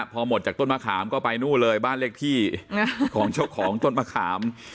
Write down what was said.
พอหมดจากต้นมะขามก็ไปนู่นเลยบ้านเลขที่ของเจ้าของต้นมะขาม